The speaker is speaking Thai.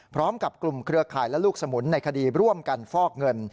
พร้อมกับกลุ่มเครือข่ายและลูกสมุนในคดีร่วมกันฟอกเงิน